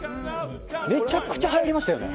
めちゃくちゃはやりましたよね。